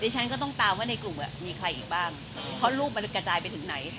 ฉันก็ต้องตามว่าในกลุ่มมีใครอยู่บ้างเพราะลูกมันกระจายไปถึงไหน